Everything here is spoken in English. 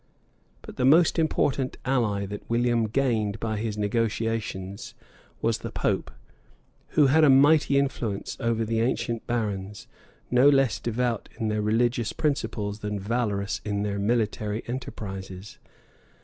[*][* Gul. Pict. p, 198.] But the most important ally that William gained by his negotiations, was the pope, who had a mighty influence over the ancient barons, no less devout in their religious principles than valorous in their military enterprises.